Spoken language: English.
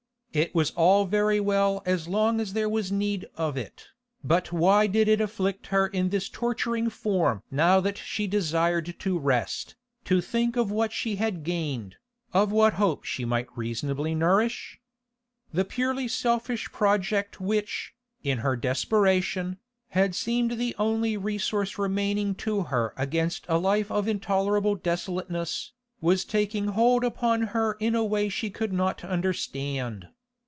It was all very well as long as there was need of it, but why did it afflict her in this torturing form now that she desired to rest, to think of what she had gained, of what hope she might reasonably nourish? The purely selfish project which, in her desperation, had seemed the only resource remaining to her against a life of intolerable desolateness, was taking hold upon her in a way she could not understand.